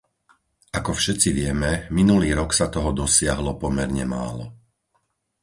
Ako všetci vieme, minulý rok sa toho dosiahlo pomerne málo.